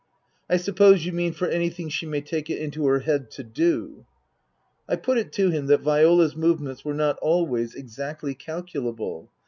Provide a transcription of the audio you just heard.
" I suppose you mean for anything she may take it into her head to do ?" I put it to him that Viola's movements were not always exactly calculable.